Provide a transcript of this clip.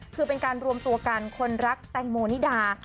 คือเป็นการรวมตัวกันคนรักแตงโมนิดา